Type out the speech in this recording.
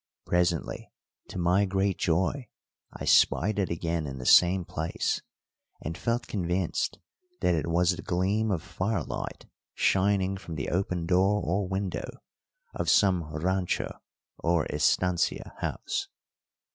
Presently, to my great joy, I spied it again in the same place, and felt convinced that it was the gleam of firelight shining from the open door or window of some rancho or estancia house.